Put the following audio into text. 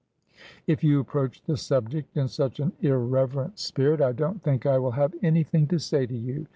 '' If you approach the subject in such an irreverent spirit, I don't think I will have anything to say to you.